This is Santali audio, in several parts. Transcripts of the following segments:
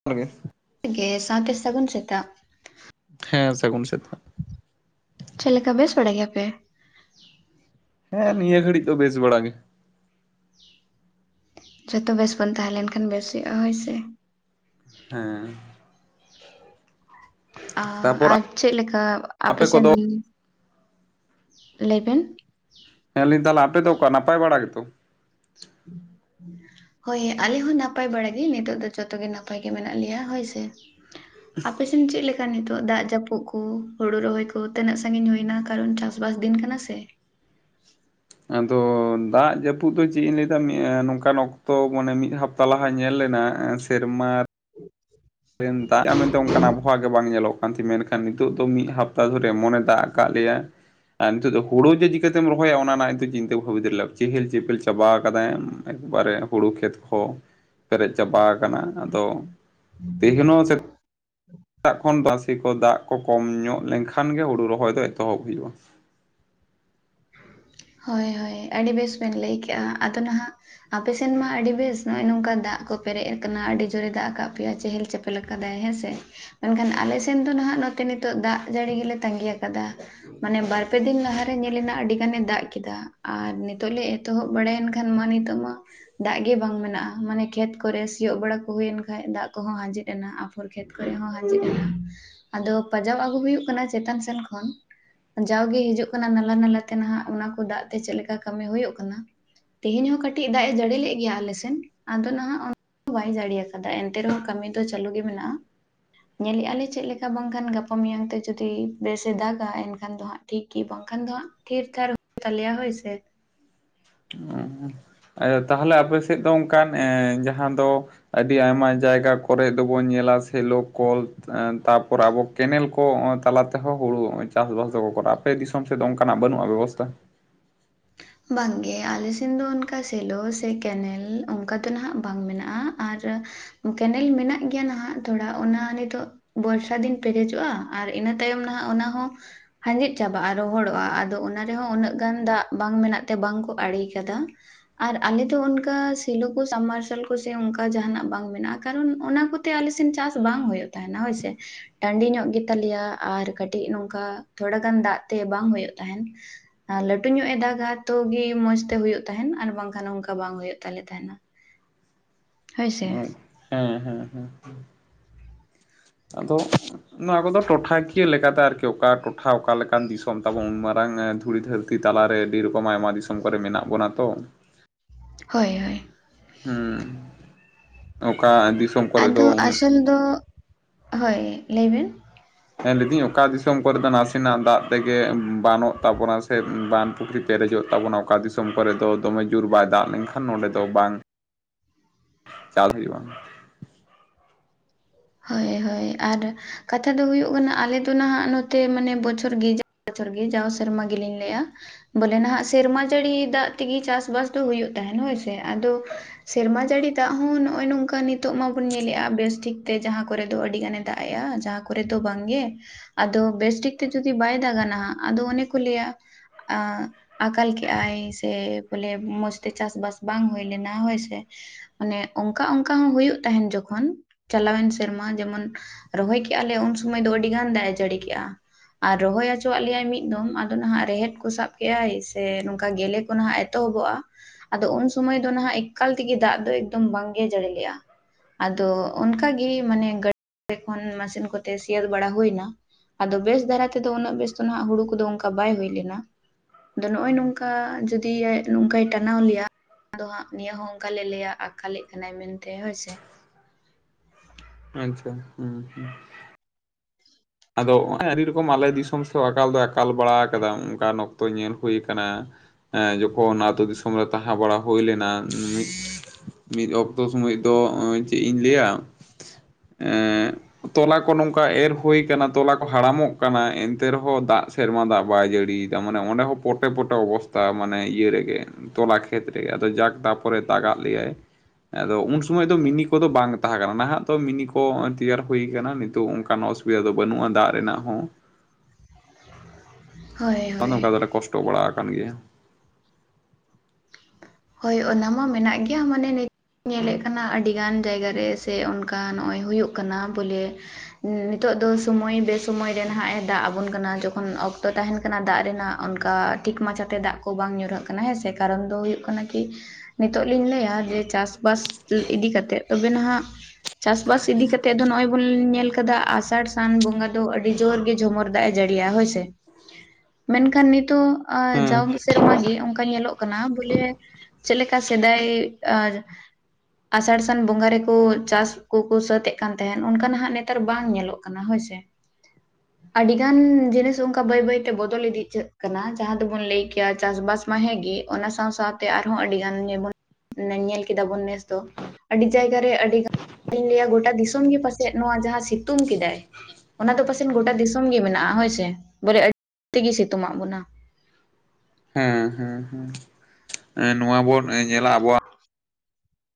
[unintelligible] ᱜᱮ ᱜᱮ ᱥᱟᱶᱛᱮ ᱥᱟᱹᱜᱩᱱ ᱥᱮᱛᱟᱜ᱾ ᱦᱮᱸ ᱥᱟᱹᱜᱩᱱ ᱥᱮᱛᱟᱜ᱾ ᱪᱮ ᱞᱮᱠᱟ ᱵᱮᱥ ᱵᱟᱲᱟᱭ ᱜᱮᱭᱟᱯᱮ? ᱦᱮᱸ ᱱᱤᱭᱟᱹ ᱜᱷᱟᱹᱲᱤ ᱫᱚ ᱵᱮᱥ ᱵᱟᱲᱟ ᱜᱮ᱾ ᱡᱷᱚᱛᱚ ᱵᱮᱥ ᱵᱚᱱ ᱛᱟᱦᱮᱸ ᱞᱮᱱᱠᱷᱟᱱ ᱵᱮᱥ ᱦᱩᱭᱩᱜᱼᱟ ᱦᱳᱭ ᱥᱮ᱾ ᱦᱮᱸ᱾ ᱟ ᱛᱟᱯᱚᱨ ᱟᱨ ᱪᱮᱜ ᱞᱮᱠᱟ ᱟᱯᱮ ᱥᱮᱱ ᱞᱟᱹᱭ ᱵᱮᱱ᱾ ᱦᱮᱸ ᱞᱟᱭ ᱫᱟᱞᱮ ᱟᱯᱮ ᱫᱚ ᱚᱠᱟ ᱱᱟᱯᱟᱭ ᱵᱟᱲᱟ ᱜᱮᱛᱚ᱾ [unintelligible] ᱦᱳᱭ ᱟᱞᱮ ᱦᱚᱸ ᱱᱟᱯᱟᱭ ᱵᱟᱲᱟ ᱜᱮ ᱱᱤᱛᱚᱜ ᱫᱚ ᱡᱚᱛᱚ ᱜᱮ ᱱᱟᱯᱟᱭ ᱜᱮ ᱢᱮᱱᱟᱜ ᱞᱮᱭᱟ ᱦᱳᱭ ᱥᱮ᱾ ᱟᱯᱮ ᱥᱮᱱ ᱪᱮᱜ ᱞᱮ ᱱᱤᱛᱚᱜ ᱫᱟᱜ ᱡᱟᱹᱯᱩᱫ ᱠᱚ ᱦᱳᱲᱳ ᱨᱚᱦᱚᱭ ᱠᱚ ᱛᱤᱱᱟᱹᱜ ᱥᱟᱸᱜᱤᱧ ᱦᱩᱭᱱᱟ ᱠᱟᱨᱟᱱ ᱪᱟᱥ ᱵᱟᱥ ᱫᱤᱱ ᱠᱟᱱᱟ ᱥᱮ᱾ ᱟᱫᱚ ᱫᱟᱜ ᱡᱟᱹᱯᱩᱫ ᱫᱚ ᱪᱮᱜ ᱤᱧ ᱞᱟᱹᱭᱫᱟ ᱱᱚᱝᱠᱟᱱ ᱚᱠᱛᱚ ᱢᱤᱫ ᱦᱟᱯ ᱛᱟᱞᱟᱦᱟ ᱧᱮᱞ ᱞᱮᱱᱟ ᱥᱮᱨᱢᱟ ᱫᱟᱜ ᱢᱮᱱᱛᱮ ᱚᱱᱠᱟᱱᱟ ᱟᱵᱚᱦᱟᱣᱟ ᱜᱮ ᱵᱟᱝ ᱧᱮᱞᱚᱜ ᱠᱟᱱ ᱛᱤᱧ ᱢᱮᱱ ᱱᱤᱛᱚᱜ ᱫᱚ ᱢᱤᱫ ᱦᱟᱯᱛᱟ ᱫᱷᱚᱨᱮ ᱮᱢᱚᱱᱮ ᱫᱟᱜ ᱠᱟᱜ ᱞᱮᱭᱟ᱾ ᱟᱨ ᱱᱤᱛᱚᱜ ᱫᱚ ᱦᱳᱲᱳ ᱡᱮ ᱪᱤᱠᱟᱹᱛᱮᱢ ᱨᱚᱦᱚᱭᱟ ᱚᱱᱟ ᱨᱮᱱᱟᱜ ᱱᱤᱛ ᱪᱤᱱᱛᱟᱹ ᱵᱷᱟᱵᱤᱛᱮ ᱞᱮ ᱪᱮᱦᱮᱞ ᱪᱮᱯᱮᱞ ᱪᱟᱵᱟ ᱠᱟᱫᱟᱭ, ᱮᱠᱵᱟᱨᱮ ᱦᱩᱲᱩ ᱠᱷᱮᱛ ᱠᱚ ᱯᱮᱨᱮᱡ ᱪᱟᱵᱟ ᱟᱠᱟᱱᱟ, ᱟᱫᱚ ᱛᱮᱦᱮᱧ ᱦᱚᱸ [unintelligible] ᱥᱮᱛᱟᱜ ᱠᱷᱚᱱ ᱫᱟᱜ ᱠᱚ ᱠᱚᱢ ᱧᱚᱜ ᱞᱮᱱᱠᱷᱟᱱ ᱜᱮ ᱦᱩᱲᱩ ᱨᱚᱦᱚᱭ ᱫᱚ ᱮᱛᱚᱦᱚᱵ ᱦᱩᱭᱩᱜᱼᱟ᱾ ᱦᱳᱭ ᱦᱳᱭ ᱟᱹᱰᱤ ᱵᱮᱥ ᱵᱮᱱ ᱞᱟᱹᱭ ᱠᱮᱜᱼᱟ, ᱟᱫᱚ ᱱᱟᱸᱦᱜ ᱟᱯᱮ ᱥᱮᱱ ᱢᱟ ᱟᱹᱰᱤ ᱵᱮᱥ ᱱᱚᱜᱼᱚ ᱱᱚᱝᱠᱟ ᱫᱟᱜ ᱠᱚ ᱯᱮᱨᱮᱡ ᱟᱠᱟᱱᱟ ᱡᱳᱨᱮ ᱫᱟᱜ ᱟᱠᱟᱜ ᱯᱮᱭᱟ ᱪᱮᱦᱮᱞ ᱪᱮᱯᱮᱞ᱾ ᱠᱟᱫᱟᱭ ᱦᱮᱸ ᱥᱮ, ᱢᱮᱱᱠᱷᱟᱱ ᱟᱞᱮ ᱥᱮᱱ ᱫᱚ ᱱᱟᱸᱦᱜ ᱱᱚᱛᱮ ᱱᱤᱛᱚᱜ ᱫᱟᱜ ᱡᱟᱹᱲᱤ ᱜᱮᱞᱮ ᱛᱟᱸᱜᱤ ᱟᱠᱟᱫᱟ᱾ ᱢᱟᱱᱮ ᱵᱟᱨ ᱯᱮ ᱫᱤᱱ ᱞᱟᱦᱟᱨ ᱨᱮ ᱧᱮᱞ ᱮᱱᱟ ᱟᱹᱰᱤ ᱜᱟᱱᱮ ᱫᱟᱜ ᱠᱮᱫᱟ ᱟᱨ ᱱᱤᱛᱚᱜ ᱞᱮ ᱮᱛᱚᱦᱚᱵ ᱵᱟᱲᱟᱭᱮᱱ ᱠᱷᱟᱱ ᱢᱟ ᱱᱤᱛᱚᱜ ᱢᱟ, ᱫᱟᱜ ᱜᱮ ᱵᱟᱝ ᱢᱮᱱᱟᱜᱼᱟ᱾ ᱢᱟᱱᱮ ᱠᱷᱮᱛ ᱠᱚᱨᱮ ᱥᱤᱭᱳᱜ ᱵᱟᱲᱟ ᱠᱚ ᱦᱩᱭᱮᱱ ᱠᱷᱟᱡ ᱫᱟᱜ ᱠᱚᱦᱚᱸ ᱟᱸᱡᱮᱫ ᱮᱱᱟ, ᱠᱷᱮᱛ ᱠᱚᱨᱮ ᱦᱚᱸ ᱟᱸᱡᱮᱫ ᱮᱱᱟ, ᱟᱫᱚ ᱯᱟᱡᱟᱣ ᱟᱹᱜᱩ ᱦᱩᱭᱩᱜ ᱠᱟᱱᱟ ᱪᱮᱛᱟᱱ ᱥᱮᱱ ᱠᱷᱚᱱ, ᱡᱟᱣᱜᱮ ᱦᱤᱡᱩᱜ ᱠᱟᱱᱟ ᱱᱟᱞᱟ ᱱᱟᱞᱟᱛᱮ ᱱᱟᱸᱦᱜ ᱚᱱᱟ ᱠᱚ ᱫᱟᱜ ᱛᱮ ᱪᱮᱫ ᱞᱮᱠᱟ ᱠᱟᱹᱢᱤ ᱦᱩᱭᱩᱜ ᱠᱟᱱᱟ, ᱛᱮᱦᱮᱧ ᱦᱚᱸ ᱠᱟᱹᱴᱤᱡ ᱫᱟᱜ ᱮ ᱡᱟᱹᱲᱤ ᱞᱮᱫ ᱜᱮᱭᱟ ᱟᱞᱮ ᱥᱮᱱ, ᱟᱫᱚ ᱱᱟᱸᱦᱜ ᱵᱟᱭ ᱡᱟᱹᱲᱤ ᱟᱠᱟᱫᱟ ᱮᱱᱛᱮ ᱨᱮᱦᱚᱸ ᱠᱟᱹᱢᱤ ᱫᱚ ᱪᱟᱹᱞᱩ ᱜᱮ ᱢᱮᱱᱟᱜᱼᱟ᱾ ᱧᱮᱞ ᱮᱜᱟᱞᱮ ᱪᱮᱫ ᱞᱮᱠᱟ ᱵᱟᱝᱠᱷᱟᱱ ᱜᱟᱯᱟ ᱢᱮᱭᱟᱝ ᱛᱮ ᱡᱩᱫᱤ ᱵᱮᱥ ᱮ ᱫᱟᱜ ᱟ ᱭ᱾ᱮᱱᱠᱷᱟᱱ ᱫᱚ ᱦᱟᱸᱜ ᱴᱷᱤᱠ ᱜᱤ, ᱵᱟᱝᱠᱷᱟᱱ ᱫᱚ ᱦᱟᱸᱜ ᱛᱷᱤᱨ ᱛᱷᱟᱨ ᱛᱟᱞᱮᱭᱟ ᱦᱳᱭ ᱥᱮ᱾ ᱚ [unintelligible] ᱟᱫᱚ ᱛᱟᱦᱚᱞᱮ ᱟᱯᱮ ᱥᱮᱫ ᱫᱚ ᱚᱱᱠᱟᱱ ᱡᱟᱦᱟ ᱫᱚ, ᱟᱹᱰᱤ ᱟᱭᱢᱟ ᱡᱟᱭᱜᱟ ᱠᱚᱨᱮᱫ ᱫᱚᱵᱚᱱ ᱧᱮᱞᱟ ᱥᱮᱞᱚ ᱠᱚ, ᱛᱟᱯᱚᱨ ᱟᱵᱚ ᱠᱮᱱᱮᱞ ᱠᱚ ᱛᱟᱞᱟ ᱛᱮᱦᱚᱸ ᱦᱩᱲᱩ ᱪᱟᱥ ᱵᱟᱥ ᱫᱚᱠᱚ ᱠᱚᱨᱟᱣ, ᱟᱯᱮ ᱫᱤᱥᱚᱢ ᱥᱮᱫ ᱫᱚ ᱚᱱᱠᱟᱱᱼᱟᱜ ᱵᱟᱹᱱᱩᱜᱼᱟ ᱵᱮᱵᱚᱥᱛᱟ? ᱵᱟᱝᱜᱮ ᱟᱞᱮ ᱥᱮᱱ ᱫᱚ ᱚᱱᱠᱟ ᱥᱮᱞᱚ ᱥᱮ ᱠᱮᱱᱮᱞ ᱚᱱᱠᱟ ᱫᱚ ᱱᱟᱦᱟᱜ ᱵᱟᱝ ᱢᱮᱱᱟᱜᱼᱟ, ᱟᱨ ᱠᱮᱱᱮᱞ ᱢᱮᱱᱟᱜ ᱜᱮᱭᱟ ᱱᱟᱦᱟᱜ ᱛᱷᱚᱲᱟ, ᱚᱱᱟ ᱱᱤᱛᱚᱜ ᱵᱚᱨᱥᱟ ᱫᱤᱱ ᱯᱮᱨᱮᱡᱚᱜᱼᱟ, ᱟᱨ ᱤᱱᱟᱹ ᱛᱟᱭᱚᱢ ᱱᱟᱦᱟᱜ ᱚᱱᱟᱦᱚᱸ ᱟᱸᱡᱮᱫ ᱪᱟᱵᱟᱜᱼᱟ, ᱨᱚᱦᱚᱲᱚᱜᱼᱟ, ᱟᱫᱚ ᱚᱱᱟ ᱨᱮᱦᱚᱸ ᱩᱱᱟᱹᱜ ᱜᱟᱱ ᱫᱟᱜ ᱵᱟᱝ ᱢᱮᱱᱟᱜ ᱛᱮ ᱵᱟᱝᱠᱚ ᱟᱲᱮ ᱠᱟᱫᱟ, ᱟᱨ ᱟᱞᱮ ᱫᱚ ᱚᱱᱠᱟ ᱥᱮᱞᱳ ᱠᱚ ᱥᱟᱢᱟᱨᱥᱟᱞ ᱠᱚ ᱥᱮ ᱚᱱᱠᱟ ᱡᱟᱦᱱᱟᱜ ᱵᱟᱝ ᱢᱮᱱᱟᱜᱼᱟ, ᱠᱟᱨᱚᱱ ᱚᱱᱟ ᱠᱚ ᱛᱮ ᱟᱞᱮ ᱥᱮᱱ ᱪᱟᱥ ᱵᱟᱝ ᱦᱳᱭᱳᱜ ᱛᱟᱦᱮᱱᱟ ᱦᱳᱭ ᱥᱮ, ᱴᱟᱹᱰᱤ ᱧᱚᱜ ᱜᱮᱛᱟᱞᱮᱭᱟ ᱟᱨ ᱠᱟᱹᱴᱤᱡ ᱱᱚᱝᱠᱟ ᱛᱷᱚᱲᱟ ᱜᱟᱱ ᱫᱟᱜ ᱛᱮ ᱵᱟᱝ ᱦᱩᱭᱩᱜ ᱛᱟᱦᱮᱸᱱ᱾ ᱟᱨ ᱞᱟᱹᱴᱩ ᱧᱚᱜ ᱮ ᱫᱟᱜ ᱛᱚᱵᱮ ᱮᱱᱟ ᱢᱚᱸᱡᱽ ᱛᱮ ᱦᱩᱭᱩᱜ ᱛᱟᱦᱮᱸᱱ ᱟᱨ ᱵᱟᱝᱠᱷᱟᱱ ᱚᱱᱠᱟ ᱵᱟᱝ ᱦᱩᱭᱩᱜ ᱛᱟᱞᱮ ᱛᱟᱦᱮᱸᱱᱟ᱾ ᱦᱳᱭ ᱥᱮ, ᱦᱮᱸ ᱦᱮᱸ, ᱦᱩᱸ ᱦᱩᱸ ᱦᱩᱸ [unintelligible] ᱟᱫᱚ, ᱱᱚᱣᱟ ᱠᱚᱫᱚ ᱴᱚᱴᱷᱟᱠᱤᱭᱟᱹ ᱞᱮᱠᱟᱛᱮ ᱟᱨᱠᱤ ᱚᱠᱟ ᱴᱚᱴᱷᱟ ᱚᱠᱟ ᱞᱮᱠᱟᱱ ᱫᱤᱥᱚᱢ ᱛᱟᱵᱚᱱ ᱩᱱ ᱢᱟᱨᱟᱝ ᱫᱷᱩᱲᱤ ᱫᱷᱟᱹᱨᱛᱤ, ᱛᱟᱞᱟᱨᱮ ᱟᱹᱰᱤ ᱨᱚᱠᱚᱢ ᱟᱭᱢᱟ ᱫᱤᱥᱚᱢ ᱠᱚᱨᱮ ᱢᱮᱱᱟᱜ ᱵᱚᱱᱟ ᱛᱚ, ᱦᱳᱭ ᱦᱳᱭ, ᱦᱩ, ᱸ ᱚᱠᱟ ᱫᱤᱥᱚᱢ ᱠᱚᱨᱮ ᱫᱚ ᱟᱫᱚ ᱟᱥᱚᱞ ᱫᱚ ᱦᱳᱭ ᱞᱟᱹᱭ ᱵᱤᱱ? ᱦᱮᱸ ᱞᱟᱹᱭ ᱫᱟᱹᱧ ᱚᱠᱟ ᱫᱤᱥᱚᱢ ᱠᱚᱨᱮ ᱫᱚ ᱱᱟᱥᱮᱱᱟᱜ ᱫᱟᱜ ᱛᱮᱜᱮ ᱵᱟᱱᱚᱜ ᱛᱟᱵᱚᱱᱟ, ᱥᱮ ᱵᱟᱸᱫᱽ ᱯᱩᱠᱷᱨᱤ ᱯᱮᱨᱮᱡᱚᱜ ᱛᱟᱵᱚᱱᱟ ᱚᱠᱟ ᱫᱤᱥᱚᱢ ᱠᱚᱨᱮ ᱫᱚ ᱫᱚᱢᱮ ᱡᱩᱨ ᱵᱟᱭ ᱫᱟᱜ ᱞᱮᱱᱠᱷᱟᱱ ᱱᱚᱸᱰᱮ ᱫᱚ ᱵᱟᱝ, ᱪᱟᱸᱬ ᱦᱩᱭᱩᱜ ᱟ᱾ ᱦᱳᱭ ᱦᱳᱭ ᱟᱨ ᱠᱟᱛᱷᱟ ᱫᱚ ᱦᱩᱭᱩᱜ ᱠᱟᱱᱟ ᱟᱞᱮ ᱫᱚ ᱱᱟᱦᱟᱜ ᱱᱚᱛᱮ ᱢᱟᱱᱮ ᱵᱚᱪᱷᱚᱨ ᱜᱮ, ᱵᱚᱪᱷᱚᱨ ᱜᱮ ᱡᱟᱣ ᱥᱮᱨᱢᱟ ᱜᱮᱞᱤᱧ ᱞᱟᱹᱭ ᱮᱜᱼᱟ, ᱵᱚᱞᱮ ᱱᱟᱦᱟᱜ ᱥᱮᱨᱢᱟ ᱡᱟᱹᱲᱤ ᱫᱟᱜ ᱛᱮᱜᱮ, ᱪᱟᱥ ᱵᱟᱥ ᱫᱚ ᱦᱳᱭᱳᱜ ᱛᱟᱦᱮᱸᱱ ᱦᱳᱭ ᱥᱮ ᱟᱫᱚ ᱥᱮᱨᱢᱟ ᱡᱟᱹᱲᱤ ᱫᱟᱜ ᱦᱚᱸ ᱱᱚᱸᱜᱼᱚᱭ ᱱᱚᱝᱠᱟ, ᱱᱤᱛᱚᱜ ᱢᱟᱵᱚᱱ ᱧᱮᱞᱮᱜᱼᱟ, ᱵᱮᱥ ᱴᱷᱤᱠ ᱛᱮ ᱡᱟᱦᱟᱸ ᱠᱚᱨᱮ ᱫᱚ, ᱟᱹᱰᱤ ᱜᱟᱱᱮ ᱫᱟᱜ ᱮᱜᱼᱟ, ᱡᱟᱦᱟᱸ ᱠᱚᱨᱮ ᱫᱚ ᱵᱟᱝᱜᱮ᱾ ᱟᱫᱚ ᱵᱮᱥ ᱴᱷᱤᱠᱛᱮ ᱡᱩᱫᱤ ᱵᱟᱭ ᱫᱟᱜᱼᱟ, ᱱᱟᱸᱦᱜ ᱟᱫᱚ ᱚᱱᱮ ᱠᱚ ᱞᱟᱹᱭᱟ ᱟᱠᱟᱠᱟᱞ ᱠᱮᱜ ᱟᱭ, ᱥᱮ ᱵᱚᱞᱮ ᱢᱚᱡᱽ ᱛᱮ ᱪᱟᱥ ᱵᱟᱥ ᱵᱟᱝ ᱦᱳᱭ ᱞᱮᱱᱟ ᱦᱳᱭ ᱥᱮ ᱾ ᱢᱟᱱᱮ ᱚᱝᱠᱟ ᱚᱝᱠᱟ ᱦᱚᱸ ᱦᱳᱭᱳᱜ ᱛᱟᱦᱮᱱ ᱡᱚᱠᱷᱚᱱ ᱪᱟᱞᱟᱣᱮᱱ ᱥᱮᱨᱢᱟ, ᱡᱮᱢᱚᱱ ᱨᱚᱦᱚᱭ ᱠᱮᱜᱼᱟ, ᱞᱮ ᱩᱱ ᱥᱚᱢᱚᱭ ᱫᱚ ᱟᱹᱰᱤ ᱜᱟᱱ ᱫᱟᱜᱮ ᱡᱟᱹᱲᱤ ᱠᱮᱜᱼᱟ ᱾ ᱟᱨ ᱨᱚᱦᱚᱭ ᱦᱚᱪᱚᱣᱟᱜ ᱞᱮᱭᱟᱭ, ᱢᱤᱫ ᱫᱚᱢ ᱟᱫᱚ ᱱᱟᱦᱟᱜ ᱨᱮᱦᱮᱫ ᱠᱚ ᱥᱟᱵ ᱠᱮᱜᱟᱭ, ᱥᱮ ᱱᱚᱝᱠᱟ ᱜᱮᱞᱮ ᱠᱚ ᱱᱟᱦᱟᱜ ᱮᱛᱚᱦᱚᱵᱚᱜᱼᱟ, ᱟᱫᱚ ᱩᱱ ᱥᱚᱢᱚᱭ ᱫᱚ ᱱᱟᱦᱟᱜ ᱮᱠᱟᱞ ᱛᱮ ᱜᱮ, ᱫᱟᱜ ᱫᱚ ᱮᱠᱫᱚᱢ ᱵᱟᱝ ᱜᱮᱫ ᱡᱟᱹᱲᱤ ᱞᱮᱼᱟ ᱾ ᱟᱫᱚ ᱚᱱᱠᱟᱜᱮ ᱢᱟᱱᱮ ᱜᱟᱹᱰᱤ ᱠᱷᱚᱱ, ᱢᱮᱥᱤᱱ ᱠᱚᱛᱮ ᱥᱮᱭᱮᱨ ᱵᱟᱲᱟ ᱦᱳᱭᱱᱟ ᱟᱫᱚ ᱵᱮᱥ ᱫᱷᱟᱨᱟ ᱛᱮᱫᱚ, ᱩᱱᱟᱹᱜ ᱵᱮᱥ ᱫᱚ ᱱᱟᱦᱟᱜ ᱦᱳᱲᱩ ᱠᱚᱫᱚ ᱚᱱᱠᱟ ᱵᱟᱭ ᱦᱩᱭ ᱞᱮᱱᱟ ᱾ ᱟᱫᱚ ᱱᱚᱜᱼᱚᱭ ᱱᱚᱝᱠᱟ, ᱡᱩᱫᱤ ᱱᱚᱝᱠᱟᱭ ᱴᱟᱱᱟᱣ ᱞᱮᱭᱟ ᱟᱫᱚ ᱦᱟᱸᱜ ᱱᱤᱭᱟᱹ ᱦᱚᱸ ᱚᱝᱠᱟ ᱞᱮ ᱞᱟᱹᱭᱟ, ᱟᱠᱟᱞᱮᱜ ᱠᱟᱱᱟᱭ ᱢᱮᱱᱛᱮ ᱦᱳᱭᱥᱮ ᱾ ᱮᱠᱫᱚᱢ, ᱦᱩᱸ, ᱦᱩᱸ᱾ ᱟᱫᱚ ᱱᱚᱜᱼᱚᱭ ᱟᱹᱰᱤ ᱨᱚᱠᱚᱢ ᱟᱞᱮ ᱫᱤᱥᱚᱢ, ᱥᱮᱫ ᱟᱠᱟᱞ ᱫᱚᱭ ᱟᱠᱟᱞ ᱵᱟᱲᱟ ᱠᱟᱫᱟ, ᱚᱱᱠᱟᱱ ᱚᱠᱛᱚ ᱧᱮᱞ ᱦᱳᱭ ᱠᱟᱱᱟ᱾ ᱦᱮᱸ ᱡᱚᱠᱷᱚᱱ ᱟᱹᱛᱳ ᱫᱤᱥᱚᱢ ᱨᱮ, ᱛᱟᱦᱮᱸ ᱵᱟᱲᱟ ᱦᱳᱭ ᱞᱮᱱᱟ ᱢᱤᱫ ᱚᱠᱛᱚ ᱥᱚᱢᱚᱭ ᱫᱚ, ᱪᱮᱫ ᱤᱧ ᱞᱟᱹᱭᱟ ᱮᱜ ᱛᱚᱞᱟ ᱠᱚ ᱱᱚᱝᱠᱟ ᱮᱨ ᱦᱳᱭ ᱠᱟᱱᱟ ᱛᱚᱞᱟ ᱠᱚ ᱦᱟᱲᱟᱢᱚᱜ ᱠᱟᱱᱟ, ᱮᱱᱛᱮ ᱨᱮᱦᱚᱸ ᱫᱟᱜ ᱥᱮᱨᱢᱟ ᱫᱟᱜ ᱵᱟᱭ ᱡᱟᱹᱲᱤᱭᱮᱫᱟ, ᱢᱟᱱᱮ ᱚᱸᱰᱮ ᱦᱚᱸ ᱯᱚᱴᱮ ᱯᱚᱴᱮ ᱚᱵᱚᱥᱛᱟ ᱛᱟᱨ ᱢᱟᱱᱮ ᱤᱭᱟᱹ ᱨᱮᱜᱮ, ᱛᱚᱞᱟ ᱠᱷᱮᱛ ᱨᱮ ᱟᱫᱚ ᱡᱟᱠ ᱛᱟᱯᱚᱨᱮ ᱫᱟᱜᱟᱜ ᱞᱮᱭᱟᱭ ᱾ ᱟᱫᱚ ᱩᱱ ᱥᱚᱢᱚᱭ ᱫᱚ ᱢᱤᱱᱤ ᱠᱚᱫᱚ ᱵᱟᱝ ᱛᱟᱦᱮᱸ ᱠᱟᱱᱟ, ᱱᱟᱦᱟᱜ ᱫᱚ ᱢᱤᱱᱤ ᱠᱚ ᱛᱮᱭᱟᱨ ᱦᱳᱭ ᱠᱟᱱᱟ ᱱᱤᱛᱚᱜ ᱚᱱᱠᱟᱱ ᱚᱥᱩᱵ ᱚᱥᱩᱵᱤᱫᱟ ᱫᱚ ᱵᱟᱹᱱᱩᱜᱼᱟ ᱫᱟᱜ ᱨᱮᱱᱟᱜ ᱦᱚᱸ ᱦᱳᱭ ᱵᱟᱠᱷᱟᱱ ᱦᱳᱭ ᱚᱱᱠᱟ ᱫᱚᱞᱮ ᱠᱚᱥᱴᱚ ᱵᱟᱲᱟ ᱠᱟᱱ ᱜᱮᱭᱟ᱾ ᱦᱳᱭ ᱚᱱᱟ ᱢᱟ ᱢᱮᱱᱟᱜ ᱜᱮᱭᱟ ᱢᱟᱱᱮ ᱱᱤᱛ ᱧᱮᱞᱮᱫ ᱠᱟᱱᱟ ᱟᱹᱰᱤᱜᱟᱱ ᱡᱟᱭᱜᱟ ᱨᱮ, ᱥᱮ ᱚᱱᱠᱟ ᱱᱚᱜᱼᱚᱭ ᱦᱳᱭᱳᱜ ᱠᱟᱱᱟ ᱵᱚᱞᱮ ᱱᱤᱛᱳᱜ ᱫᱚ ᱥᱚᱢᱚᱭ ᱵᱮᱥᱚᱢᱚᱭ ᱨᱮ, ᱱᱟᱦᱟᱜ ᱮ ᱫᱟᱜ ᱟᱵᱚᱱ ᱠᱟᱱᱟ, ᱡᱚᱠᱷᱚᱱ ᱚᱠᱛᱚ ᱛᱟᱦᱮᱱ ᱠᱟᱱᱟ ᱫᱟᱜ ᱨᱮᱱᱟᱜ ᱚᱱᱠᱟ ᱴᱷᱤᱠ ᱢᱟᱪᱷᱟᱛᱮ ᱫᱟᱜ ᱠᱚ, ᱵᱟᱝ ᱧᱩᱨᱦᱟᱹᱜ ᱠᱟᱱᱟ ᱦᱮᱸ ᱥᱮ, ᱠᱟᱨᱚᱱ ᱫᱚ ᱦᱳᱭᱳᱜ ᱠᱟᱱᱟ ᱠᱤ ᱱᱤᱛᱚᱜ ᱞᱤᱧ ᱞᱟᱹᱭᱟ ᱡᱮ, ᱪᱟᱥᱵᱟᱥ ᱤᱫᱤ ᱠᱟᱛᱮᱜ ᱛᱚᱵᱮ ᱱᱟᱦᱟᱜ ᱪᱟᱥᱵᱟᱥ ᱤᱫᱤ ᱠᱟᱛᱮᱜ ᱫᱚ, ᱱᱚᱜ ᱚᱭ ᱵᱚᱱ ᱧᱮᱞ ᱠᱟᱫᱟ ᱟᱥᱟᱲ ᱥᱟᱱ ᱵᱚᱸᱜᱟ ᱫᱚ ᱟᱹᱰᱤ ᱡᱳᱨ ᱜᱮ ᱡᱷᱚᱢᱚᱨ ᱫᱟᱜ ᱮ, ᱡᱟᱹᱲᱤᱭᱤᱭᱟ ᱦᱳᱭᱥᱮ ᱢᱮᱱᱠᱷᱟᱱ ᱱᱤᱛᱚᱜ ᱡᱟᱣ ᱦᱮᱸ ᱜᱮ ᱥᱮᱨᱢᱟ ᱜᱮ, ᱚᱱᱠᱟ ᱧᱮᱞᱚᱜ ᱠᱟᱱᱟ ᱵᱚᱞᱮ ᱪᱮᱫ ᱞᱮᱠᱟ ᱥᱮᱫᱟᱭ ᱟᱥᱟᱲ ᱥᱟᱱ ᱵᱚᱸᱜᱟ ᱨᱮᱠᱚ ᱪᱟᱥ ᱠᱚᱠᱚ ᱥᱟᱹᱛ ᱮᱫ ᱠᱟᱱ ᱛᱟᱦᱮᱸᱱ, ᱚᱱᱠᱟᱱᱟᱜ ᱦᱟᱜ ᱱᱮᱛᱟᱨ ᱵᱟᱝ ᱧᱮᱞᱚᱜ ᱠᱟᱱᱟ ᱦᱳᱭᱥᱮ [inaudible] [inaudible] ᱦᱮ [inaudible] ᱟᱹᱰᱤᱜᱟᱱ ᱡᱤᱱᱤᱥ ᱚᱱᱠᱟ ᱵᱟᱹᱭ ᱵᱟᱹᱭᱛᱮ ᱵᱚᱫᱚᱞ ᱤᱫᱤ ᱠᱟᱱᱟ, ᱡᱟᱦᱟᱸ ᱫᱚᱵᱚᱱ ᱞᱟᱹᱭ ᱠᱮᱭᱟ ᱪᱟᱥᱵᱟᱥ ᱢᱟ ᱦᱮᱸ ᱜᱮ, ᱚᱱᱟ ᱥᱟᱶ ᱥᱟᱶᱛᱮ ᱟᱨᱦᱚᱸ ᱟᱹᱰᱤ ᱜᱟᱱ, ᱡᱮᱢᱚᱱ ᱧᱮᱞ ᱠᱮᱫᱟ ᱵᱚᱱ ᱱᱮᱥ ᱫᱚ ᱟᱹᱰᱤ ᱡᱟᱭᱜᱟᱨᱮ, ᱟᱹᱰᱤ ᱜᱟᱱ ᱞᱟᱹᱭᱟ ᱜᱚᱴᱟ ᱫᱤᱥᱚᱢ ᱜᱮ ᱯᱟᱥᱮᱡ ᱱᱚᱣᱟ ᱡᱟᱦᱟᱸ ᱥᱤᱛᱩᱝ ᱠᱮᱫᱟᱭ ᱚᱱᱟ ᱫᱚ ᱯᱟᱥᱮᱜ ᱜᱚᱴᱟ ᱫᱤᱥᱚᱢ ᱜᱮ ᱢᱮᱱᱟᱜᱼᱟ, ᱦᱳᱭᱥᱮ ᱵᱚᱞᱮ ᱟᱹᱰᱤ ᱜᱮ ᱥᱤᱛᱩᱝ ᱟ ᱵᱚᱱᱟ ᱾ ᱦᱮᱸ, ᱦᱮᱸ, ᱦᱮ ᱱᱚᱣᱟ ᱵᱚᱱ ᱧᱮᱞᱟ ᱟᱵᱚᱣᱟᱜ [inaudible] [inaudible]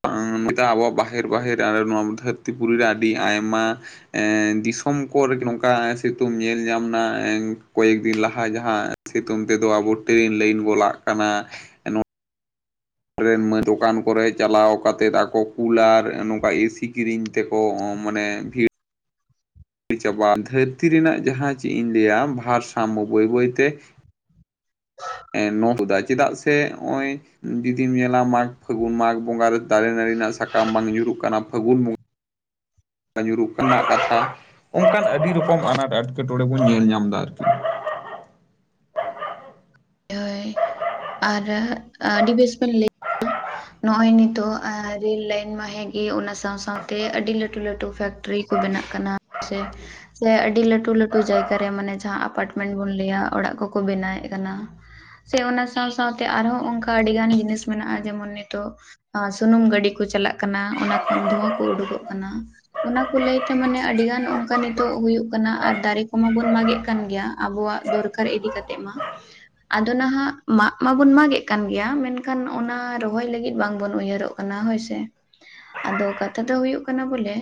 ᱚᱱᱠᱟ ᱟᱵᱚᱣᱟᱜ ᱵᱟᱦᱮᱨ ᱵᱟᱦᱮᱨ, ᱱᱚᱣᱟ ᱫᱷᱟᱹᱨᱛᱤ ᱯᱩᱨᱤ ᱨᱮ, ᱟᱹᱰᱤ ᱟᱭᱢᱟ ᱮ ᱫᱤᱥᱚᱢ ᱠᱚ ᱨᱮ ᱜᱮ ᱱᱚᱝᱠᱟ, ᱥᱤᱛᱩᱝ ᱧᱮᱞ ᱧᱮᱞ ᱧᱟᱢᱮᱱᱟ ᱠᱚᱭᱮᱠ ᱫᱤᱱ ᱞᱟᱦᱟ ᱡᱟᱦᱟᱸ ᱥᱮᱛᱩᱝ ᱛᱮᱫᱚ ᱟᱵᱚ ᱴᱨᱮᱱ ᱞᱟᱹᱭᱤᱱ ᱜᱚᱞᱟᱜ ᱠᱟᱱᱟ᱾ ᱨᱮᱱ ᱫᱚᱠᱟᱱ ᱠᱚᱨᱮ ᱪᱟᱞᱟᱣ ᱠᱟᱛᱮᱫ, ᱟᱠᱚ ᱠᱩᱞᱟᱨ ᱱᱚᱝᱠᱟ ᱮᱥᱤ ᱠᱤᱨᱤᱧ ᱛᱮᱠᱚ ᱢᱟᱱᱮ ᱵᱷᱤ ᱪᱟᱵᱟ ᱫᱷᱟᱹᱨᱛᱤ ᱨᱮᱱᱟᱜ ᱡᱟᱦᱟᱸ ᱪᱤᱫ ᱤᱧ ᱞᱟᱹᱭᱟ ᱵᱷᱟᱨ ᱥᱟᱢᱢᱳ ᱵᱳᱭ ᱵᱳᱭᱛᱮ ᱮᱸ ᱱᱚᱠᱚᱫᱟ ᱪᱮᱫᱟᱜ ᱥᱮ ᱚᱭ ᱡᱩᱫᱤᱢ ᱧᱮᱞᱟ ᱢᱟᱜᱽ ᱯᱷᱟᱹᱜᱩᱱ ᱢᱟᱜᱽ ᱵᱚᱸᱜᱟ ᱨᱮ ᱫᱟᱨᱮ ᱱᱟᱹᱲᱤ ᱨᱮᱱᱟᱜ ᱥᱟᱠᱟᱢ ᱵᱟᱝ ᱧᱩᱨᱩᱜ ᱠᱟᱱᱟ ᱯᱷᱟᱹᱜᱩᱱ ᱵᱩᱝ ᱜᱟ ᱧᱩᱨᱩᱜ ᱠᱟᱱᱟ ᱯᱟᱛᱟ ᱚᱱᱠᱟᱱ ᱟᱹᱰᱤ ᱨᱚᱠᱚᱢ ᱟᱱᱟᱴ ᱮᱴᱠᱮᱴᱚᱬᱮ ᱵᱚᱱ ᱧᱮᱞ ᱧᱟᱢᱫᱟ ᱟᱨᱠᱤ ᱦᱳᱭ [inaudible] ᱟᱨ ᱟᱹᱰᱤ ᱵᱮᱥ ᱵᱮᱱ ᱞᱟᱹᱭ [unintelligible] ᱱᱚᱜ ᱚᱭ ᱱᱤᱛᱚᱜ ᱮᱸ ᱨᱮᱞ ᱞᱟᱭᱤᱱ ᱢᱟ ᱦᱮᱸᱜᱤ ᱚᱱᱟ ᱥᱟᱶ ᱥᱟᱶᱛᱮ ᱟᱹᱰᱤ ᱞᱟᱹᱴᱩ ᱞᱟᱹᱴᱩ ᱯᱷᱮᱠᱴᱨᱤ ᱠᱚ ᱵᱮᱱᱟᱜ ᱠᱟᱱᱟ ᱥᱮ ᱥᱮ ᱟᱹᱰᱤ ᱞᱟᱹᱴᱩ ᱞᱟᱹᱴᱩ ᱡᱟᱭᱜᱟᱨᱮ ᱢᱟᱱᱮ ᱡᱟᱦᱟᱸ ᱟᱯᱟᱴᱢᱮᱱᱴ ᱵᱚᱱ ᱞᱟᱹᱭᱟ ᱚᱲᱟᱜ ᱠᱚᱠᱚ ᱵᱮᱱᱟᱣᱮᱫ ᱠᱟᱱᱟ᱾ ᱥᱮ ᱚᱱᱟ ᱥᱟᱶ ᱥᱟᱶᱛᱮ ᱟᱨᱦᱚᱸ ᱚᱝᱠᱟ ᱟᱹᱰᱤᱜᱟᱱ ᱡᱤᱱᱤᱥ ᱢᱮᱱᱟᱜᱼᱟ ᱡᱮᱢᱚᱱ ᱱᱤᱛᱚᱜ ᱟᱸ ᱥᱩᱱᱩᱢ ᱜᱟᱹᱰᱤ ᱠᱩ ᱪᱟᱞᱟᱜ ᱠᱟᱱᱟ ᱚᱱᱟ ᱠᱷᱚᱱ ᱫᱷᱩᱣᱟᱹ ᱠᱩ ᱩᱰᱩᱠᱚᱜ ᱠᱟᱱᱟ᱾ ᱚᱱᱟ ᱠᱚ ᱞᱟᱹᱭᱛᱮ ᱢᱟᱱᱮ ᱟᱹᱰᱤᱜᱟᱱ ᱚᱝᱠᱟ ᱱᱤᱛᱚᱜ ᱦᱩᱭᱩᱜ ᱠᱟᱱᱟ ᱟᱨ ᱫᱟᱨᱮ ᱠᱚᱢᱟᱵᱚᱱ ᱢᱟᱜᱮᱫ ᱠᱟᱱ ᱜᱮᱭᱟ ᱟᱵᱚᱣᱟᱜ ᱫᱚᱨ ᱠᱟᱨ ᱤᱫᱤ ᱠᱟᱛᱮᱫ ᱢᱟ ᱟᱫᱚ ᱱᱟᱦᱟᱸᱜ ᱢᱟᱜ ᱢᱟᱵᱚᱱ ᱢᱟᱜᱮᱫ ᱠᱟᱱ ᱜᱮᱭᱟ ᱢᱮᱱᱠᱷᱟᱱ ᱚᱱᱟ ᱨᱚᱦᱚᱭ ᱞᱟᱹᱜᱤᱫ ᱵᱟᱝᱵᱚᱱ ᱩᱭᱦᱟᱹᱨᱚᱜ ᱠᱟᱱᱟ ᱦᱳᱭ ᱥᱮ ᱟᱫᱚ ᱠᱟᱛᱷᱟ ᱫᱚ ᱦᱩᱭᱩᱜ ᱠᱟᱱᱟ ᱵᱚᱞᱮ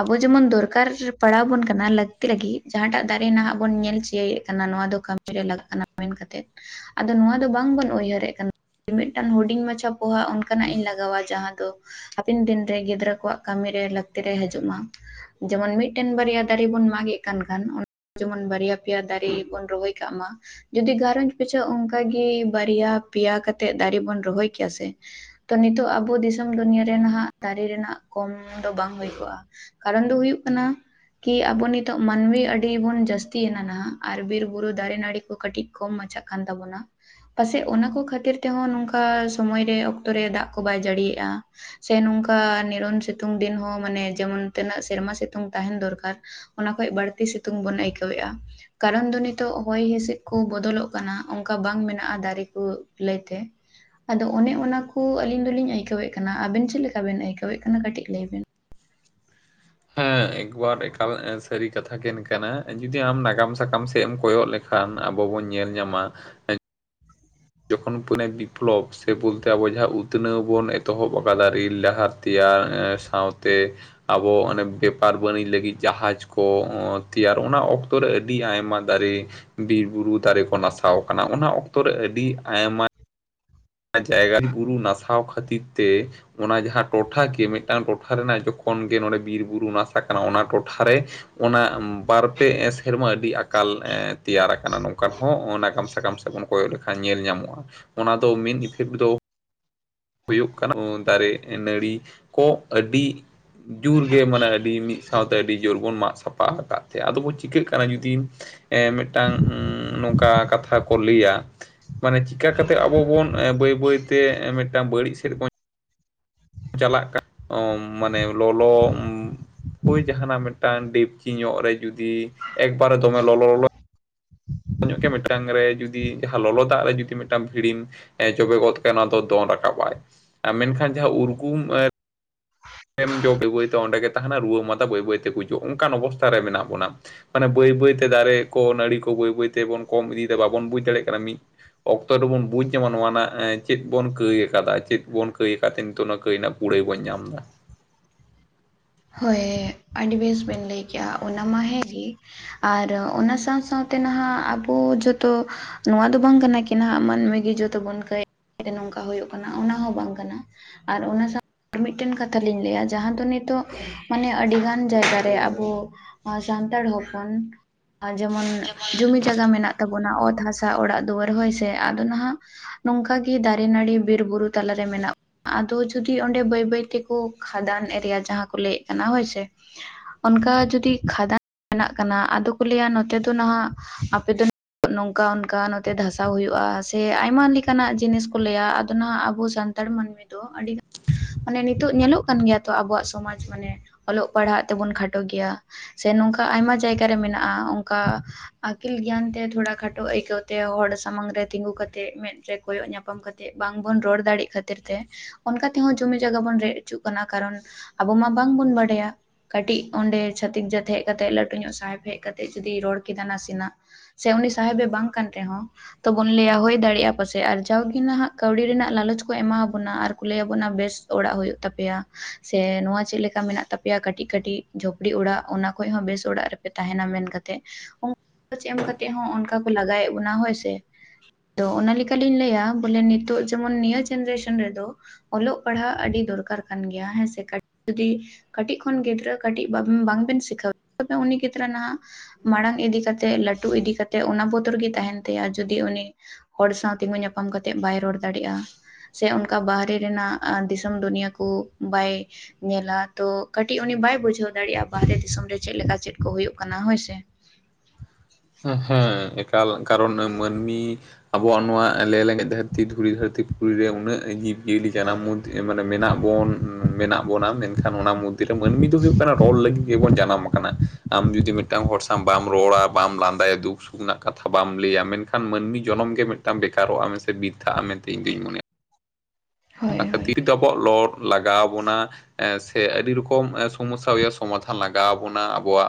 ᱟᱵᱚ ᱡᱮᱢᱚᱱ ᱫᱚᱨᱠᱟᱨ ᱯᱟᱲᱟᱣ ᱵᱚᱱ ᱠᱟᱱᱟ ᱞᱟᱹᱠᱛᱤ ᱞᱟᱹᱜᱤᱫ ᱡᱟᱦᱟᱸᱴᱟᱜ ᱫᱟᱨᱮ ᱱᱟᱦᱟᱸᱜ ᱵᱚᱱ ᱧᱮᱞ ᱪᱤᱭᱟᱹᱭᱮᱫ ᱠᱟᱱᱟ ᱱᱚᱣᱟ ᱫᱚ ᱠᱟᱹᱢᱤ ᱨᱮ ᱞᱟᱜᱟᱜ ᱠᱟᱱᱟ ᱢᱮᱱ ᱠᱟᱛᱮᱫ ᱟᱫᱚ ᱱᱚᱣᱟ ᱫᱚ ᱵᱟᱝᱵᱚᱱ ᱩᱭᱦᱟᱹᱨᱮᱫ ᱠᱟᱱ ᱠᱤ ᱢᱤᱫᱴᱟᱝ ᱦᱩᱰᱤᱧ ᱢᱟᱪᱷᱟ ᱯᱚᱦᱟ ᱚᱱᱠᱟᱱᱟᱜ ᱤᱧ ᱞᱟᱜᱟᱣᱟ ᱡᱟᱦᱟᱸ ᱫᱚ ᱦᱟᱯᱤᱱ ᱫᱤᱱᱨᱮ ᱜᱤᱫᱽᱨᱟᱹ ᱠᱚᱣᱟᱜ ᱠᱟᱹᱢᱤᱨᱮ ᱞᱟᱹᱠᱛᱤ ᱨᱮ ᱦᱟᱹᱡᱩᱜ ᱢᱟ᱾ ᱡᱮᱢᱚᱱ ᱢᱤᱴᱴᱮᱱ ᱵᱟᱨᱭᱟ ᱫᱟᱨᱮ ᱵᱚᱱ ᱢᱟᱜ ᱮᱫ ᱠᱟᱱ ᱠᱷᱟᱱ ᱚᱱ ᱡᱮᱢᱚᱱ ᱵᱟᱨᱭᱟ ᱯᱮᱭᱟ ᱫᱟᱨᱮ ᱵᱚᱱ ᱨᱚᱦᱚᱭ ᱠᱟᱜ ᱢᱟ ᱡᱩᱫᱤ ᱜᱟᱭ ᱨᱚᱸᱡᱽ ᱯᱤᱪᱷᱟᱹ ᱚᱝᱠᱟᱜᱮ ᱵᱟᱨᱭᱟ ᱯᱮᱭᱟ ᱠᱟᱛᱮᱜ ᱫᱟᱨᱮ ᱵᱚᱱ ᱨᱚᱦᱚᱭ ᱠᱮᱭᱟ ᱥᱮ ᱛᱚ ᱱᱤᱛᱚᱜ ᱟᱵᱚ ᱫᱤᱥᱚᱢ ᱫᱩᱱᱤᱭᱟᱹ ᱨᱮ ᱱᱟᱦᱟᱸᱜ ᱫᱟᱨᱮ ᱨᱮᱱᱟᱜ ᱠᱚᱢ ᱫᱚ ᱵᱟᱝ ᱦᱩᱭ ᱠᱚᱜᱼᱟ᱾ ᱠᱟᱨᱚᱱ ᱫᱚ ᱦᱩᱭᱩᱜ ᱠᱟᱱᱟ ᱠᱤ ᱟᱵᱚ ᱱᱤᱛᱚᱜ ᱢᱟᱹᱱᱢᱤ ᱟᱹᱰᱤ ᱵᱩᱱ ᱡᱟᱹᱥᱛᱤᱭᱮᱱᱟ ᱱᱟᱦᱟᱸᱜ ᱟᱨ ᱵᱤᱨ ᱵᱩᱨᱩ ᱫᱟᱨᱮ ᱱᱟᱹᱲᱤ ᱠᱚ ᱠᱟᱹᱴᱤᱡ ᱠᱚᱢ ᱢᱟᱪᱷᱟᱜ ᱠᱟᱱ ᱛᱟᱵᱚᱱᱟ᱾ ᱯᱟᱥᱮᱡ ᱚᱱᱟ ᱠᱚ ᱠᱷᱟᱹᱛᱤᱨ ᱛᱮᱦᱚᱸ ᱱᱚᱝᱠᱟ ᱥᱚᱢᱚᱭᱨᱮ ᱚᱠᱛᱚ ᱨᱮ ᱫᱟᱜ ᱠᱚ ᱵᱟᱭ ᱡᱟᱹᱲᱤᱭᱮᱜᱼᱟ᱾ ᱥᱮ ᱱᱩᱝᱠᱟ ᱱᱤᱨᱚᱱ ᱥᱤᱛᱩᱝ ᱫᱤᱱ ᱦᱚᱸ ᱢᱟᱱᱮ ᱡᱮᱢᱚᱱ ᱛᱤᱱᱟᱹᱜ ᱥᱮᱨᱢᱟ ᱥᱤᱛᱩᱝ ᱛᱟᱦᱮᱸᱱ ᱫᱚᱨᱠᱟᱨ᱾ ᱚᱱᱟ ᱠᱷᱚᱡ ᱵᱟᱹᱲᱛᱤ ᱥᱤᱛᱩᱝ ᱵᱚᱱ ᱟᱹᱭᱠᱟᱹᱣᱮᱜᱼᱟ ᱠᱟᱨᱚᱱ ᱫᱚ ᱱᱤᱛᱚᱜ ᱦᱚᱭ ᱦᱤᱸᱥᱤᱫ ᱠᱩ ᱵᱚᱫᱚᱞᱚᱜ ᱠᱟᱱᱟ ᱚᱝᱠᱟ ᱵᱟᱝ ᱢᱮᱱᱟᱜᱼᱟ ᱫᱟᱨᱮ ᱠᱚ ᱞᱟᱹᱭᱛᱮ ᱟᱫᱚ ᱚᱱᱮ ᱚᱱᱟ ᱠᱩ ᱟᱹᱞᱤᱧ ᱫᱚᱞᱤᱧ ᱟᱹᱭᱠᱟᱹᱣᱮᱫ ᱠᱟᱱᱟ ᱟᱵᱮᱱ ᱪᱮᱫ ᱞᱮᱠᱟᱵᱮᱱ ᱟᱹᱭᱠᱟᱹᱣᱮᱫ ᱠᱟᱱᱟ ᱠᱟᱹᱴᱤᱡ ᱞᱟᱹᱭᱵᱤᱱ᱾ ᱦᱮᱸ ᱮᱠᱵᱟᱨ ᱮᱠᱟᱞ ᱮᱸ ᱥᱟᱹᱨᱤ ᱠᱟᱛᱷᱟ ᱜᱮᱱ ᱠᱟᱱᱟ ᱡᱩᱫᱤ ᱟᱢ ᱱᱟᱜᱟᱢ ᱥᱟᱠᱟᱢ ᱥᱮᱫ ᱮᱢ ᱠᱚᱭᱚᱜ ᱞᱮᱠᱷ ᱠᱷᱟᱱ ᱟᱵᱚ ᱵᱚᱱ ᱧᱮᱞ ᱧᱟᱢᱟ ᱮᱸ ᱡᱚᱠᱷᱚᱱ ᱯᱩᱱᱮ ᱵᱤᱯᱞᱚᱵᱽ ᱥᱮ ᱵᱚᱞᱛᱮ ᱟᱵᱚ ᱡᱟᱦᱟᱸ ᱩᱛᱱᱟᱹᱣ ᱵᱚᱱ ᱮᱛᱚᱦᱚᱵ ᱟᱠᱟᱫᱟ ᱨᱤᱞ ᱰᱟᱦᱟᱨ ᱛᱤᱭᱟᱨ ᱮᱸᱥ ᱥᱟᱶᱛᱮ ᱟᱵᱚ ᱚᱱᱮ ᱵᱮᱯᱟᱨ ᱵᱟᱹᱱᱤᱡᱽ ᱞᱟᱹᱜᱤᱫ ᱡᱟᱦᱟᱡᱽ ᱠᱚ ᱚᱸ ᱛᱮᱭᱟᱨ ᱚᱱᱟ ᱚᱠ ᱚᱠᱛᱚ ᱨᱮ ᱟᱹᱰᱤ ᱟᱭᱢᱟ ᱫᱟᱨᱤ ᱵᱤᱨ ᱵᱩᱨᱩ ᱫᱟᱨᱤ ᱠᱚ ᱱᱟᱥᱟᱣ ᱠᱟᱱᱟ ᱚᱱᱟ ᱚᱠᱛᱚ ᱨᱮ ᱟᱹᱰᱤ ᱟᱭᱢᱟ ᱡᱟᱭᱜᱟ ᱵᱩᱨᱩ ᱱᱟᱥᱟᱣ ᱠᱷᱟᱹᱛᱤᱨ ᱛᱮ ᱚᱱᱟ ᱡᱟᱦᱟᱸ ᱴᱚᱴᱷᱟ ᱠᱤᱭᱟᱹ ᱢᱤᱫᱴᱟᱝ ᱴᱚᱴᱷᱟ ᱨᱮᱱᱟᱜ ᱡᱚᱠᱷᱚᱱ ᱜᱮ ᱱᱚᱰᱮ ᱵᱤᱨ ᱵᱩᱨᱩ ᱱᱟᱥᱟᱜ ᱠᱟᱱᱟ ᱚᱱᱟ ᱴᱚᱴᱷᱟᱨᱮ ᱚᱱᱟ ᱵᱟᱨᱯᱮ ᱥᱮᱨᱢᱟ ᱟᱹᱰᱤ ᱟᱠᱟᱞ ᱮᱸᱫ ᱛᱮᱭᱟᱨ ᱟᱠᱟᱱᱟ ᱱᱚᱝᱠᱟᱱ ᱦᱚᱸ ᱚᱸ ᱱᱟᱜᱟᱢ ᱥᱟᱠᱟᱢ ᱥᱮᱫ ᱵᱚᱱ ᱠᱚᱭᱚᱜ ᱞᱮᱠᱷᱟᱱ ᱧᱮᱞ ᱧᱟᱢᱚᱜᱼᱟ ᱚᱱᱟᱫ ᱛᱚ ᱢᱮᱱ ᱤᱯᱷᱮᱠᱴ ᱫᱚ ᱦᱩᱭᱩᱜ ᱠᱟᱱᱟ ᱫᱟᱨᱮ ᱱᱟᱹᱲᱤ ᱠᱚ ᱟᱹᱰᱤ ᱡᱩᱨ ᱜᱮ ᱢᱟᱱᱮ ᱟᱹᱰᱤ ᱢᱤᱫ ᱥᱟᱶᱛᱮ ᱟᱹᱰᱤ ᱡᱳᱨ ᱵᱚᱱ ᱢᱟᱜ ᱥᱟᱯᱷᱟ ᱟᱫᱟᱠ ᱛᱮ ᱟᱫᱚ ᱵᱚᱱ ᱪᱤᱠᱟᱹᱜ ᱠᱟᱱᱟ ᱡᱩᱫᱤ ᱮᱸ ᱢᱤᱫᱴᱟᱝ ᱩᱸ ᱱᱚᱝᱠᱟ ᱠᱟᱛᱷᱟ ᱠᱚ ᱞᱟᱹᱭᱟ᱾ ᱢᱟᱱᱮ ᱪᱤᱠᱟ ᱠᱟᱛᱮᱜ ᱟᱵ ᱟᱵᱚ ᱵᱚᱱ ᱮᱸ ᱵᱟᱹᱭ ᱵᱟᱹᱭᱛᱮ ᱢᱤᱫᱴᱟᱝ ᱵᱟᱹᱲᱤᱡ ᱥᱮᱫ ᱵᱚᱱ ᱪᱟᱞᱟᱜ ᱠᱟᱱ ᱚ ᱢᱟᱱᱮ ᱞᱚᱞᱚ ᱦᱳᱭ ᱡᱟᱦᱱᱟᱜ ᱢᱤᱫᱴᱟᱝ ᱰᱮᱠᱪᱤ ᱧᱚᱜ ᱨᱮ ᱡᱩᱫᱤ ᱮᱠᱵᱟᱨᱮ ᱫᱚᱢᱮ ᱞᱚᱞᱚ ᱞᱚᱞᱚ ᱧᱚᱜ ᱜᱮ ᱢᱤᱫᱴᱟᱝ ᱨᱮ ᱡᱩᱫᱤ ᱡᱟᱦᱟᱸ ᱞᱚᱞᱚ ᱫᱟᱜ ᱨᱮ ᱡᱩᱫᱤ ᱢᱤᱫᱴᱟᱝ ᱵᱷᱤᱲᱤᱢ ᱮᱸ ᱡᱚᱵᱮ ᱜᱚᱫ ᱠᱟᱭᱟᱢ ᱟᱫᱚ ᱫᱚᱱ ᱨᱟᱠᱟᱵ-ᱟᱭ᱾ ᱢᱮᱱᱠᱷᱟᱱ ᱡᱟᱦᱟᱸ ᱩᱨᱜᱩᱢ ᱮᱸ ᱮᱢ ᱡᱚᱜ ᱵᱟᱹᱭ ᱵᱟᱹᱭᱛᱮ ᱚᱸᱰᱮ ᱜᱮ ᱛᱟᱦᱮᱱᱟ᱾ ᱨᱩᱣᱟᱹ ᱢᱟᱫᱟ ᱵᱟᱹᱭ ᱵᱟᱹᱭ ᱜᱡᱩᱜ ᱚᱱᱟᱱ ᱚᱵᱚᱥᱛᱛᱟ ᱨᱮ ᱢᱮᱱᱟᱜ ᱵᱚᱱᱟ᱾ ᱢᱟᱱᱮ ᱵᱟᱹᱭ ᱵᱟᱹᱭᱛᱮ ᱫᱟᱨᱮ ᱠᱚ ᱱᱟᱲᱤ ᱠᱚ ᱵᱟᱹᱭ ᱵᱟᱹᱭ ᱛᱮᱵᱚᱱ ᱠᱚᱢ ᱤᱫᱤᱭᱟ ᱵᱟᱵᱚᱱ ᱵᱩᱡᱽ ᱫᱟᱲᱮᱭᱟᱜ ᱠᱟᱱᱟ ᱢᱤᱫ ᱚᱠᱛᱚ ᱨᱮᱵᱩᱱ ᱵᱩᱡ ᱧᱟᱢᱟ ᱱᱚᱣᱟ ᱨᱮᱱᱟᱜ ᱮᱸ ᱪᱮᱫ ᱵᱚᱱ ᱠᱟᱹᱭ ᱟᱠᱟᱫᱟ, ᱪᱮᱫ ᱵᱚᱱ ᱠᱟᱹᱭ ᱟᱠᱟᱫᱟ ᱛᱮ ᱱᱤᱛᱚᱜ ᱚᱱᱟ ᱠᱟᱹᱭ ᱨᱮᱱᱟᱜ ᱠᱩᱲᱟᱹᱭ ᱵᱟᱹᱧ ᱧᱟᱢ ᱫᱟ᱾ ᱦᱳᱭ ᱦᱮᱸ᱾ ᱟᱹᱰᱤ ᱵᱮᱥ ᱵᱮᱱ ᱞᱟᱹᱭ ᱠᱮᱫᱮᱜᱼᱟ ᱚᱱᱟ ᱢᱟ ᱦᱮᱸ ᱜᱮ᱾ ᱟᱨ ᱚᱱᱟ ᱥᱟᱶ ᱥᱟᱶᱛᱮ ᱱᱟᱦᱟᱜ ᱟᱵᱚ ᱡᱚᱛᱚ ᱱᱚᱣᱟ ᱫᱚ ᱵᱟᱝ ᱠᱟᱱᱟ ᱠᱤ ᱱᱦᱟᱸᱜ ᱢᱟᱹᱱᱢᱤ ᱜᱮ ᱡᱚᱛᱚ ᱵᱚᱱ ᱠᱟᱹᱭ [inaudible] ᱱᱚᱝᱠᱟ ᱦᱩᱭᱩᱜ ᱠᱟᱱᱟ ᱚᱱᱟ ᱦᱚᱸ ᱵᱟᱝ ᱠᱟᱱᱟ᱾ ᱟᱨ ᱚᱱᱟ ᱥᱟᱶᱛᱮ ᱟᱨ ᱢᱤᱫᱴᱮᱱ ᱠᱟᱛᱷᱟ ᱞᱤᱧ ᱞᱟᱹᱭᱟ ᱡᱟᱦᱟᱸ ᱫᱚ ᱱᱤᱛᱚᱜ ᱢᱟᱱᱮ ᱟᱹᱰᱤᱜᱟᱱ ᱡᱟᱭᱜᱟᱨ ᱨᱮ ᱟᱵᱚ ᱥᱟᱱᱛᱟᱲ ᱦᱚᱯᱚᱱ ᱟ ᱡᱮᱢᱚᱱ ᱡᱚᱢᱤ ᱡᱟᱭᱜᱟ ᱢᱮᱱᱟᱜ ᱛᱟᱵᱚᱱᱟ᱾ ᱚᱛ ᱦᱟᱥᱟ ᱚᱲᱟᱜ ᱫᱩᱣᱟᱹᱨ ᱦᱚᱭ ᱥᱮ᱾ ᱟᱫᱚ ᱱᱟᱦᱟᱜ ᱱᱚᱝᱠᱟᱜᱤ ᱫᱟᱨᱮ ᱱᱟᱹᱲᱤ ᱵᱤᱨᱵᱩᱨᱩ ᱛᱟᱞᱟᱨᱮ ᱢᱮᱱᱟᱜ ᱟᱫᱚ ᱡᱩᱫᱤ ᱚᱸᱰᱮ ᱵᱟᱹᱭ ᱵᱟᱹᱭ ᱛᱮᱠᱚ ᱠᱷᱟᱫᱟᱱ ᱮᱨᱤᱭᱟ ᱡᱟᱦᱟᱸ ᱠᱚ ᱞᱟᱹᱭᱮᱫ ᱠᱟᱱᱟ ᱦᱳᱭᱥᱮ᱾ ᱚᱱᱠᱟ ᱡᱩᱚᱫᱤ ᱠᱷᱟᱫᱟᱱ [inaudible] ᱠᱟᱱᱟ᱾ ᱟᱫᱚ ᱠᱚ ᱞᱟᱹᱭᱟ ᱱᱚᱛᱮ ᱫᱚ ᱱᱟᱦᱟᱜ ᱟᱯᱮ ᱫᱚ ᱱᱚᱝᱠᱟ ᱚᱱᱠᱟ ᱱᱚᱛᱮ ᱫᱷᱟᱥᱟᱣ ᱦᱩᱭᱩᱜᱼᱟ ᱥᱮ ᱟᱭᱢᱟ ᱞᱮᱠᱟᱱᱟᱜ ᱡᱤᱱᱤᱥ ᱠᱚ ᱞᱟᱹᱭᱟ ᱟᱫᱚ ᱱᱟᱦᱟᱜ ᱟᱵᱚ ᱥᱟᱱ ᱛᱟᱲ ᱢᱟᱹᱱᱢᱤ ᱫᱚ ᱟᱹᱰᱤᱜᱟᱱ᱾ ᱢᱟᱱᱮ ᱱᱤᱛᱚᱜ ᱧᱮᱞᱚᱜ ᱠᱟᱱ ᱜᱮᱭᱟ ᱛᱚ ᱟᱵᱚᱣᱟᱜ ᱥᱚᱢᱟᱡᱽ ᱢᱟᱱᱮ ᱚᱞᱚᱜ ᱯᱟᱲᱦᱟᱜ ᱛᱮᱵᱚᱱ ᱠᱷᱟᱴᱚ ᱜᱮᱭᱟ᱾ ᱥᱮ ᱱᱚᱝᱠᱟ ᱟᱭᱢᱟ ᱡᱟᱭᱜᱟᱟᱨᱮ ᱢᱮᱱᱟᱜᱼᱟ᱾ ᱚᱱᱠᱟ ᱟᱹᱠᱤᱞ ᱜᱮᱭᱟᱱ ᱛᱮ ᱛᱷᱚᱲᱟ ᱠᱷᱟᱴᱚ ᱟᱹᱭᱠᱟᱹᱣ ᱛᱮ, ᱦᱚᱲ ᱥᱟᱢᱟᱝ ᱨᱮ ᱛᱤᱸᱜᱩ ᱠᱟᱛᱮᱫ ᱢᱮᱫ ᱨᱮ ᱠᱚᱭᱚᱜ ᱧᱟᱯᱟᱢ ᱠᱟᱛ ᱛᱮᱜ ᱵᱟᱝᱵᱚᱱ ᱨᱚᱲ ᱫᱟᱲᱮᱜ ᱠᱷᱟᱹᱛᱤᱨ ᱛᱮ ᱚᱱᱠᱟ ᱛᱮᱦᱚᱸ ᱡᱚᱢᱤ ᱡᱟᱭᱜᱟ ᱵᱚᱱ ᱨᱮᱡ ᱦᱚᱪᱚᱜ ᱠᱟᱱᱟ᱾ ᱠᱟᱨᱚᱱ ᱟᱵᱚ ᱢᱟ ᱵᱟᱝᱵᱚᱱ ᱵᱟᱰᱟᱭᱟ᱾ ᱠᱟᱹᱴᱤᱡ ᱚᱸᱰᱮ ᱪᱷᱟᱹᱛᱤᱠ ᱡᱟᱹᱛ ᱦᱮᱡ ᱠᱟᱛᱮᱜ, ᱞᱟᱹᱴᱩ ᱧᱚᱜ ᱥᱟᱦᱮᱵᱽ ᱦᱮᱡ ᱠᱟᱛᱮᱜ ᱡᱩᱫᱤ ᱨᱚᱲ ᱠᱮᱫᱟ ᱱᱟᱥᱮᱱᱟᱜ ᱥᱮ ᱩᱱᱤ ᱥᱟᱦᱮᱵᱮ ᱵᱟᱜ ᱠᱟᱱ ᱨᱮᱦᱚᱸ ᱛᱚᱵᱚᱱ ᱞᱟᱹᱭᱟ ᱦᱳᱭ ᱫᱟᱲᱮᱭᱟᱜᱼᱟ ᱯᱟᱥᱮᱡ ᱟᱨ ᱡᱟᱣᱜᱮ ᱱᱟᱦᱟᱜ ᱠᱟᱹᱣᱰᱤ ᱨᱮᱱᱟᱜ ᱞᱟᱞᱚᱪ ᱠᱚ ᱮᱢᱟᱵᱚᱱᱟ ᱟᱨ ᱠᱚ ᱞᱟᱹᱭᱟᱵᱚᱱᱟ ᱵᱮᱥ ᱚᱲᱟᱜ ᱦᱩᱭᱩᱜ ᱛᱟᱯᱮᱭᱟ᱾ ᱥᱮ ᱱᱚᱣᱟ ᱪᱮᱫ ᱞᱮᱠᱟ ᱢᱮᱱᱟᱜ ᱛᱟᱯᱮᱭᱟ ᱠᱟᱹᱴᱤᱡ ᱠᱟᱹᱴᱤᱡ ᱡᱷᱚᱯᱲᱤ ᱚᱲᱟᱜ ᱚᱱᱟ ᱠᱷᱚᱡ ᱦᱚᱸ ᱵᱮᱥ ᱚᱲᱟᱜ ᱨᱮᱯᱮ ᱛᱟᱦᱮᱱᱟ ᱢᱮᱱ ᱠᱟᱛᱮᱫ᱾ ᱚ [inaudible] ᱮᱢ ᱠᱟᱛᱮᱜ ᱦᱟᱸ ᱚᱱᱠᱟ ᱠᱚ ᱞᱟᱜᱟᱭᱮᱫ ᱵᱚᱱᱟ ᱦᱳᱭ ᱥᱮ᱾ ᱛᱚ ᱚᱱᱮ ᱞᱮᱠᱟᱞᱤᱧ ᱞᱟᱹᱭᱟ ᱵᱚᱞᱮ ᱱᱤᱛᱚᱜ ᱡᱮᱢᱚᱱ ᱱᱤᱭᱟᱹ ᱡᱮᱱᱟᱨᱮᱥᱚᱱ ᱨᱮᱫᱚ ᱚᱞᱚᱜ ᱯᱟᱲᱦᱟᱜ ᱟᱹᱰᱤ ᱫᱚᱨᱠᱟᱨ ᱠᱟᱱ ᱜᱮᱭᱟ ᱦᱮᱸᱥᱮ? ᱡᱩᱫᱤ ᱠᱟᱹᱴᱤᱡ ᱠᱷᱚᱱ ᱜᱤᱫᱽᱨᱟᱹ ᱠᱟᱹᱴᱤᱡ ᱵᱟᱵᱤᱱ ᱵᱟᱝᱵᱤᱱ ᱥᱤᱠᱷᱟᱹᱣ ᱛᱚᱵᱮ ᱩᱱᱤ ᱜᱤᱫᱽᱨᱟᱹ ᱱᱟᱦᱟᱜ ᱢᱟᱲᱟᱝ ᱤᱫᱤ ᱠᱟᱛᱮᱜ ᱞᱟᱹᱴᱩ ᱤᱫᱤ ᱠᱟᱛ ᱛᱮ ᱚᱱᱟ ᱵᱚᱛᱚᱨ ᱜᱮ ᱛᱟᱦᱮᱱ ᱛᱟᱭᱟ ᱟᱨ ᱡᱩᱫᱤ ᱩᱱᱤ ᱦᱚᱲ ᱛᱤᱸᱜᱩ ᱧᱟᱯᱟᱢ ᱠᱟᱛᱮᱫ ᱵᱟᱭ ᱨᱚᱲ ᱫᱟᱲᱮᱭᱟᱜᱼᱟ᱾ ᱥᱮ ᱚᱱᱠᱟ ᱵᱟᱦᱨᱮ ᱨᱮᱱᱟᱜ ᱫᱤᱥᱚᱢ ᱫᱩᱱᱤᱭᱟᱹ ᱠᱚ ᱵᱟᱭ ᱧᱮᱞᱟ ᱛᱚ ᱠᱟᱹᱴᱤᱡ ᱩᱱᱤ ᱵᱩᱡᱷᱟᱹᱣ ᱫᱟᱲᱮᱭᱟᱜᱼᱟ ᱵᱟᱦᱦᱨᱮ ᱫᱤᱥᱚᱢ ᱨᱮ ᱪᱮᱫᱞᱮᱠᱟ ᱪᱮᱫ ᱠᱚ ᱦᱩᱭᱩᱜ ᱠᱟᱱᱟ ᱦᱳᱭᱥᱮ᱾ ᱦᱮᱸ ᱦᱮᱸ ᱮᱠᱟᱞ ᱠᱟᱨᱚᱱ ᱢᱟᱹᱱᱢᱤ ᱟᱵᱚᱣᱟᱜ ᱱᱚᱣᱟ ᱞᱮᱸᱞᱮᱜᱮᱠᱸᱜᱮᱡ ᱫᱷᱟᱨᱛᱤᱫ ᱫᱷᱩᱨᱤ ᱫᱷᱟᱲᱨᱛᱤ ᱯᱩᱨᱤ ᱨᱮ ᱩᱱᱟᱹᱜ ᱡᱤᱵᱽ ᱡᱤᱭᱟᱹᱞᱤ ᱡᱟᱱᱟᱢ ᱵᱚᱱ ᱢᱟᱱᱮ ᱢᱮᱱᱟᱜ ᱵᱚᱱ ᱢᱮᱱᱟᱜ ᱵᱚᱱᱟ ᱢᱮᱱᱠᱷᱟᱱ ᱚᱱᱟ ᱢᱚᱫᱽᱫᱷᱮ ᱨᱮ ᱢᱟᱹᱱᱢᱤ ᱫᱚ ᱦᱩᱭᱰᱩᱜ ᱠᱟᱱᱟ ᱨᱚᱲ ᱞᱟᱹᱜᱤᱫ ᱜᱮᱵᱚᱱ ᱡᱟᱱᱟᱢ ᱟᱠᱟᱱᱟ᱾ ᱠᱟᱱᱟ ᱟᱢ ᱡᱩᱫᱤ ᱢᱤᱫᱴᱟᱝ ᱦᱚᱲ ᱥᱟᱶ ᱵᱟᱢ ᱨᱚᱲᱟ᱾ ᱵᱟᱢ ᱞᱟᱸᱫᱟᱭᱟ ᱫᱩᱠ ᱥᱩᱠ ᱨᱮᱱᱟᱜ ᱠᱟᱛᱷᱟ ᱵᱟᱢ ᱞᱟᱹᱭᱟ ᱢᱮᱱᱠᱷᱟᱱ ᱢᱟᱹᱱᱢᱤ ᱡᱚᱱᱚᱢ ᱜᱮ ᱢᱤᱫᱴᱟᱝ ᱵᱮᱠᱟᱨᱚᱜᱼᱟ ᱢᱮᱱᱥᱮ᱾ ᱥᱮ ᱵᱤᱨᱛᱷᱼᱟ ᱢᱮᱱᱛᱮ ᱤᱧ ᱫᱩᱧ ᱢᱚᱱᱮᱭᱟ᱾ ᱦᱳᱭ ᱚᱱᱟ ᱦᱳᱭ ᱠᱷᱟᱹᱛᱤᱨ ᱟᱵᱚᱣᱟᱜ ᱞᱚᱲ ᱞᱟᱜᱟᱣ ᱵᱚᱱᱟ᱾ ᱮ ᱥᱮ ᱟᱹᱰᱤ ᱨᱚᱠᱚᱢ ᱥᱚᱢᱚᱥᱥᱟ ᱦᱩᱭᱩᱜ ᱥᱚᱢᱟᱫᱷᱟᱱ ᱞᱟᱜᱟᱣ ᱟᱵᱚᱱᱟ ᱟᱵᱚᱣᱟᱜ